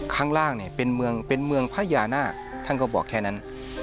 ข้างล่างเป็นเมืองพญานาคต้องก็บอกแค่นั้น